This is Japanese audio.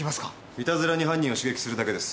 いたずらに犯人を刺激するだけです。